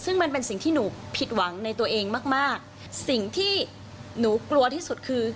ซึ่งมันเป็นสิ่งที่หนูผิดหวังในตัวเองมากมากสิ่งที่หนูกลัวที่สุดคือ